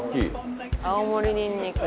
青森にんにく。